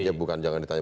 ya bukan jangan ditanya